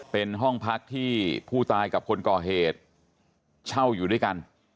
เป็นห้องพักที่ผู้ตายกับคนก่อเหตุเช่าอยู่ด้วยกัน